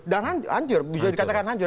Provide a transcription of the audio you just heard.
dan hancur bisa dikatakan hancur